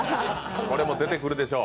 これも出てくるでしょう。